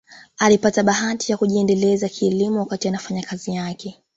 Alipata bahati ya kujiendeleza kielimu wakati anafanya kazi yake